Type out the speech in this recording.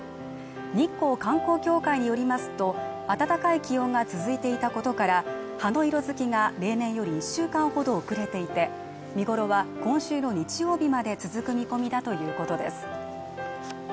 日光観光協会によりますと暖かい気温が続いていたことから葉の色づきが例年より１週間ほど遅れていて見頃は今週の日曜日まで続く見込みだということです